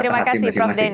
terima kasih prof denny